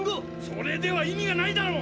それでは意味がないだろ！